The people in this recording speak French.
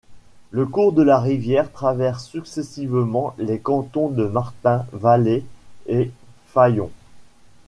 Le cours de la rivière traverse successivement les cantons de Martin, Valets et Faillon.